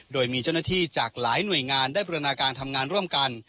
โดยมีเจ้าหน้าที่จากหลายหน่วยงานได้บรินาการทำงานร่วมกัน